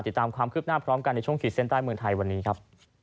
ติดตามความคืบหน้าพร้อมกันในช่วงขีดเส้นใต้เมืองไทยวันนี้ครับ